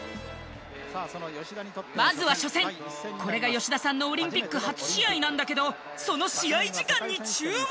これが吉田さんのオリンピック初試合なんだけどその試合時間に注目。